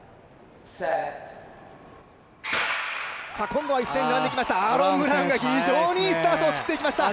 今度は一斉に並んできました。